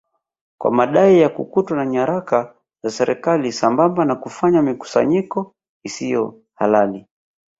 kwa madai ya kukutwa na nyaraka za serikali sambamba na kufanya mikusanyiko isiyo halali